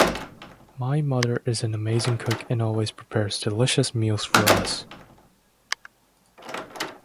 My mother is an amazing cook and always prepares delicious meals for us.